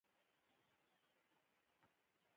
د میرمنو کار د کورنۍ پیاوړتیا لامل ګرځي.